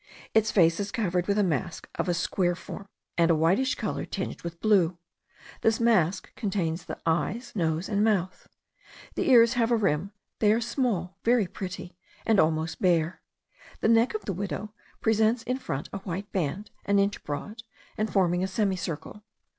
Its face is covered with a mask of a square form and a whitish colour tinged with blue. This mask contains the eyes, nose, and mouth. The ears have a rim: they are small, very pretty, and almost bare. The neck of the widow presents in front a white band, an inch broad, and forming a semicircle.